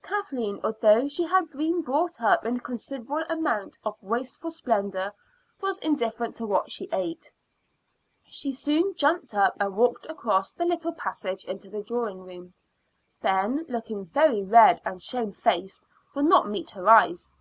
Kathleen, although she had been brought up in a considerable amount of wasteful splendor, was indifferent to what she ate. She soon jumped up and walked across the little passage into the drawing room. Ben, looking very red and shamefaced, would not meet her eyes.